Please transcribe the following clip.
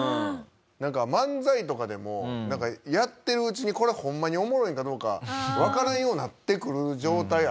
なんか漫才とかでもやってるうちにこれホンマにおもろいのかどうかわからんようなってくる状態あるじゃないですか。